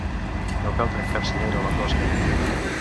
No cal trencar-s'hi gaire la closca.